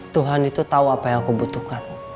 tuhan itu tahu apa yang aku butuhkan